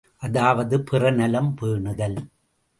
அதாவது பிறர் நலம் பேணுதல்.